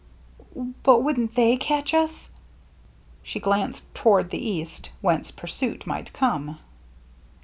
"But wouldn't they catch us?" She glanced toward the east, whence pursuit might come.